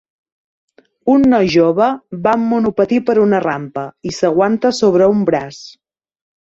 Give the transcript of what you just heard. Un noi jove va amb monopatí per una rampa i s'aguanta sobre un braç.